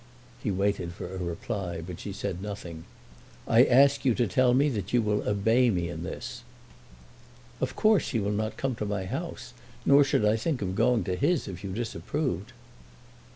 He waited for a reply, but she said nothing. "I ask you to tell me that you will obey me in this." "Of course he will not come to my house, nor should I think of going to his, if you disapproved."